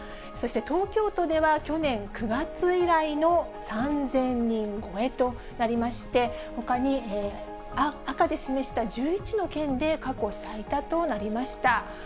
そして、東京都では去年９月以来の３０００人超えとなりまして、ほかに赤で示した１１の県で過去最多となりました。